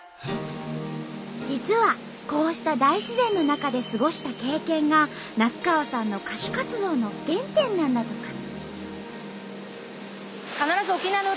実はこうした大自然の中で過ごした経験が夏川さんの歌手活動の原点なんだとか。